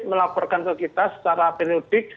melaporkan ke kita secara periodik